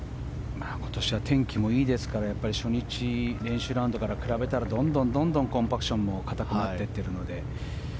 今年は天気もいいですから初日、練習ラウンドから比べたらどんどんコンパクションも硬くなっていっているので。